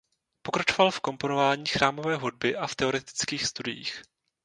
Pokračoval v komponování chrámové hudby a v teoretických studiích.